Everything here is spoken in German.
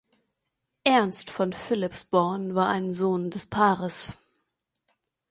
Ernst von Philipsborn war ein Sohn des Paares.